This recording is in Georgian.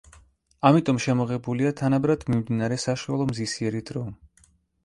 ამიტომ შემოღებულია თანაბრად მიმდინარე საშუალო მზისიერი დრო.